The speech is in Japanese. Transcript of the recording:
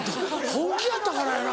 本気やったからやな。